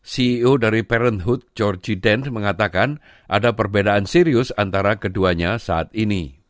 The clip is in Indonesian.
ceo dari parenthood georgie dent mengatakan ada perbedaan serius antara keduanya saat ini